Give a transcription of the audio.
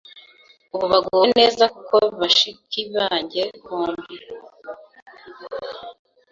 ubu baguwe neza kuko bashiki banjye bombi